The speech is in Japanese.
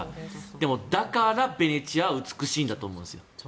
でも、だからベネチアは美しいんだと思うんですよ。